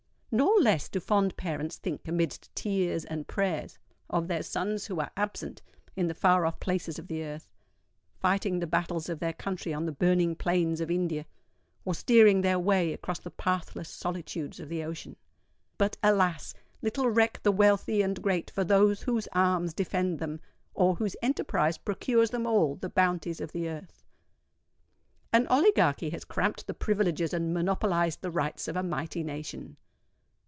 Nor less do fond parents think, amidst tears and prayers, of their sons who are absent in the far off places of the earth,—fighting the battles of their country on the burning plains of India, or steering their way across the pathless solitudes of the ocean. But, alas! little reck the wealthy and great for those whose arms defend them, or whose enterprise procures them all the bounties of the earth. An oligarchy has cramped the privileges and monopolised the rights of a mighty nation.